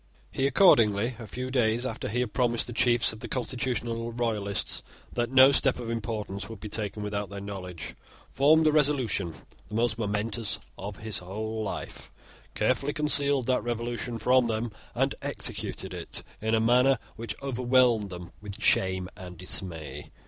He accordingly, a few days after he had promised the chiefs of the constitutional Royalists that no step of importance should be taken without their knowledge, formed a resolution the most momentous of his whole life, carefully concealed that resolution from them, and executed it in a manner which overwhelmed them with shame and dismay.